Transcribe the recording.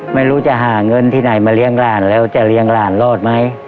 ไม่รู้จะหาเงินที่ไหนมาเลี้ยงหลานแล้วจะเลี้ยงหลานรอดไหม